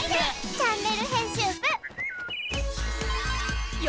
チャンネル編集部」へ！